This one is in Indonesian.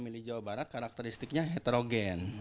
pemilih jawa barat karakteristiknya heterogen